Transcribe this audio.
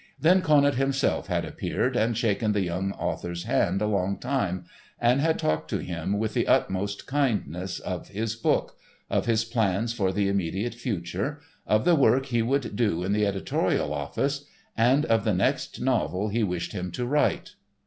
Then Conant himself had appeared and shaken the young author's hand a long time, and had talked to him with the utmost kindness of his book, of his plans for the immediate future, of the work he would do in the editorial office and of the next novel he wished him to write.